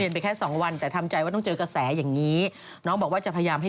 คุณภูผ่าไม่ได้คุยกันช่วงนี้เพราะเทศอ่ะ